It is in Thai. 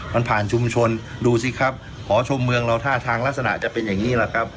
มันผ่านชุมชนดูสิครับหอชมเมืองเราท่าทางลักษณะจะเป็นอย่างนี้แหละครับ